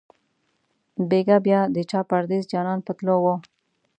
بیګا بیا د چا پردېس جانان په تلو وو